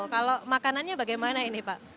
kalau makanannya bagaimana ini pak